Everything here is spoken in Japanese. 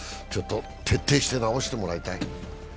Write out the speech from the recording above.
ちょっと徹底して治してもらいたい。